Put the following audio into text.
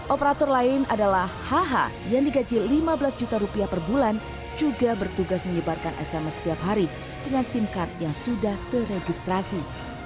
operator lain adalah hh yang digaji lima belas juta rupiah per bulan juga bertugas menyebarkan sms setiap hari dengan sim card yang sudah terregistrasi